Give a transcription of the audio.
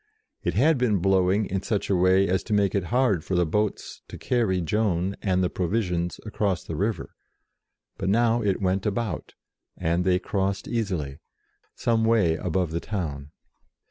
It had been blowing in such a way as to make it hard for the boats RIDES TO ORLEANS 37 to carry Joan and the provisions across the river, but now it went about, and they crossed easily, some way above the town.